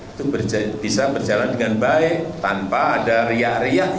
itu bisa berjalan dengan baik tanpa ada riak riak